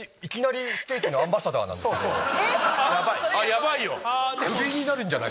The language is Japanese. ヤバいよ！